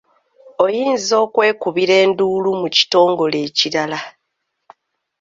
Oyinza okwekubira enduulu mu kitongole ekirala.